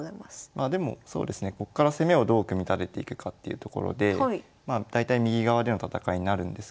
まあでもこっから攻めをどう組み立てていくかっていうところで大体右側での戦いになるんですけど。